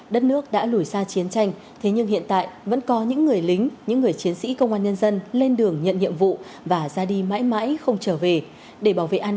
đất nước đã lủi xa chiến tranh thế nhưng hiện tại vẫn có những người lính những người chiến sĩ công an nhân dân lên đường nhận nhiệm vụ và ra đi mãi mãi không trở về